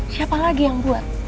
siapa lagi yang buat